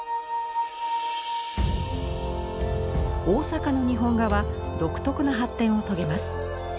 大阪の日本画は独特の発展を遂げます。